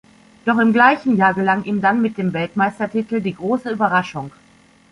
Doch im gleichen Jahr gelang ihm dann mit dem Weltmeistertitel die große Überraschung.